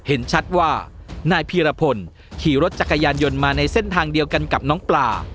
เห็นชัดว่านายพีรพลขี่รถจักรยานยนต์มาในเส้นทางเดียวกันกับน้องปลา